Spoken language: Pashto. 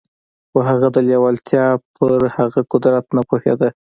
خو هغه د لېوالتیا پر هغه قدرت نه پوهېده.